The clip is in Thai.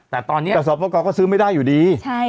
แต่ตอนนี้แต่สอบประกอบก็ซื้อไม่ได้อยู่ดี